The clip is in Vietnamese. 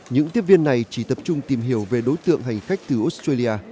những tiếp viên này chỉ tập trung tìm hiểu về đối tượng hành khách từ australia